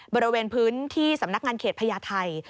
บริเวณพื้นที่สำนักงานเขตพญาไทย